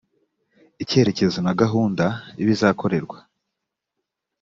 icyerekezo na gahunda y ibizakorerwa